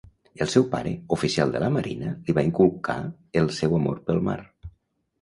El seu pare, oficial de la marina, li va inculcar el seu amor pel mar.